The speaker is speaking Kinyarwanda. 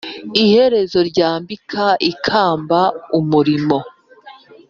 iherezo ryambika ikamba umurimo.